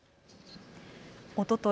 おととい